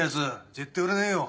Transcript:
絶対売れねえよ。